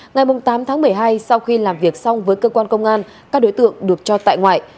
ngày tám tháng một mươi hai sau khi làm việc xong với cơ quan công an các đối tượng được cho tại ngoại